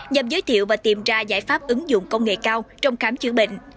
nhằm giới thiệu và tìm ra giải pháp ứng dụng công nghệ cao trong khám chữa bệnh